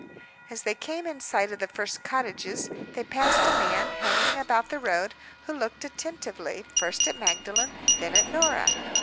As they came in sight of the first cottages, they passed a man, hanging about the road, who looked attentively, first at Magdalen, then at Norah.